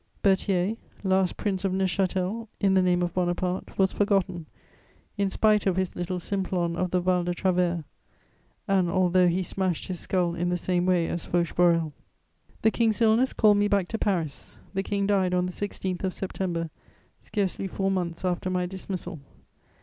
Berthier, last Prince of Neuchâtel, in the name of Bonaparte, was forgotten, in spite of his little Simplon of the Val de Travers, and although he smashed his skull in the same way as Fauche Borel. [Sidenote: Death of Louis XVIII.] The King's illness called me back to Paris. The King died on the 16th of September, scarcely four months after my dismissal.